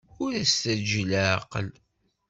Ur as-teǧǧi leɛqel!